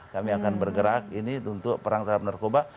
kami akan bergerak ini untuk perang terhadap narkoba